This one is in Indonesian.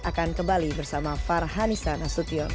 akan kembali bersama farhanisa nasution